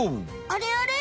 あれあれ？